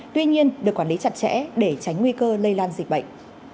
tuy nhiên được quản lý chặt chẽ để tránh nguy cơ lây lan dịch bệnh